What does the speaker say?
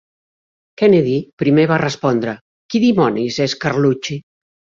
Kennedy primer va respondre "Qui dimonis és Carlucci?"